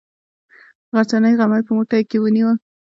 غرڅنۍ غمی په موټي کې ونیوه.